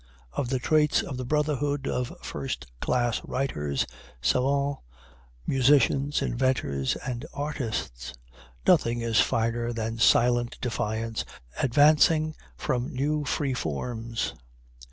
Of the traits of the brotherhood of first class writers, savans, musicians, inventors and artists, nothing is finer than silent defiance advancing from new free forms.